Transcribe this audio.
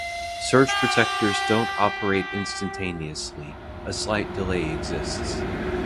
Surge protectors don't operate instantaneously; a slight delay exists.